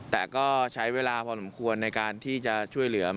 แต่ก็ใช้เวลาพอสมควรในการที่จะช่วยเหลือ